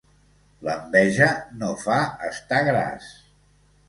L'enveja no fa estar gras.